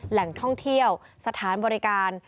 แหล่งท่องเที่ยวสถานบริการ